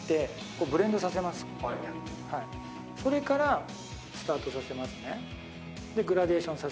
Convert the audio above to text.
それからスタートさせますね。